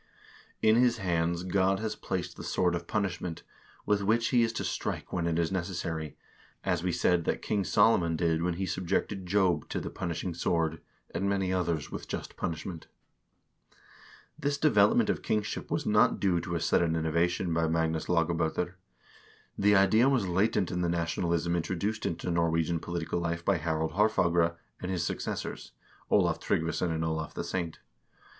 In his hands God has placed the sword of punishment, with which he is to strike when it is necessary, as we said that King Solomon did when he subjected Joab to the punishing sword, and many others, with just punishment." 2 This development of kingship was not due to a sudden innovation by Magnus Lagab0ter. The idea was latent in the nationalism introduced into Norwegian political life by Harald Haarfagre and his successors, Olav Tryggvason and Olav the Saint.